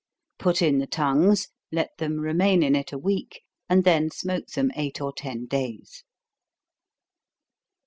Put in the tongues, let them remain in it a week, and then smoke them eight or ten days.